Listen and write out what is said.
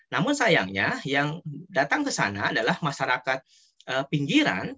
namun sayangnya yang datang ke sana adalah masyarakat pinggiran